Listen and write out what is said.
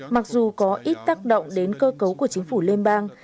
mặc dù có ít tác động đến tổ chức bầu cử liên bang